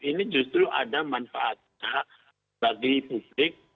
ini justru ada manfaatnya bagi publik